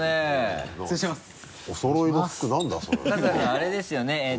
あれですよね